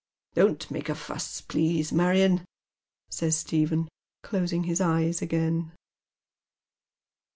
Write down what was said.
" Don't make a fuss, please, Marion," says Stephen, closing hia eyes again.